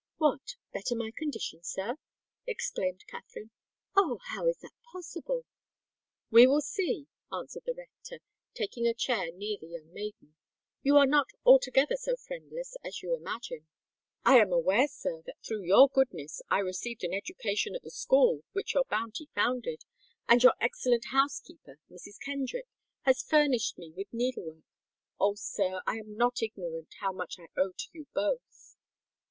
"What? better my condition, sir?" exclaimed Katherine. "Oh! how is that possible?" "We will see," answered the rector, taking a chair near the young maiden. "You are not altogether so friendless as you imagine." "I am aware, sir, that through your goodness I received an education at the school which your bounty founded; and your excellent housekeeper, Mrs. Kenrick, has furnished me with needle work. Oh! sir, I am not ignorant how much I owe to you both!"